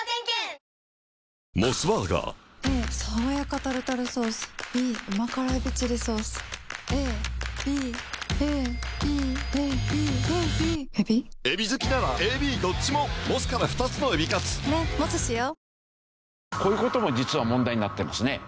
こういう事も実は問題になってますね。